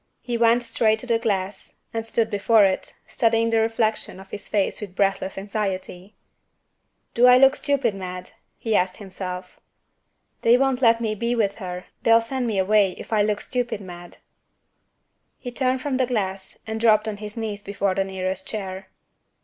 He went straight to the glass, and stood before it, studying the reflection of his face with breathless anxiety. "Do I look stupid mad?" he asked himself. "They won't let me be with her; they'll send me away, if I look stupid mad." He turned from the glass, and dropped on his knees before the nearest chair.